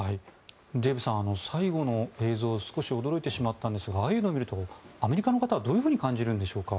デーブさん最後の映像少し驚いてしまったんですがああいうのを見るとアメリカの方はどう感じるんでしょうか？